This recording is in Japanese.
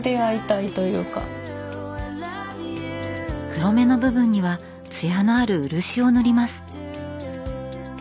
黒目の部分には艶のある漆を塗ります。